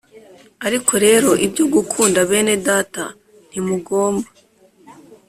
Ariko rero ibyo gukunda bene data ntimugomba